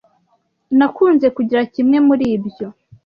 Nakunze kugira kimwe muri ibyo.